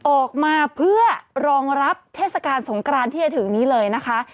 ออกมาเพื่อรองรับเทศกาลสงกรานที่จะถึงนี้เลยนะคะ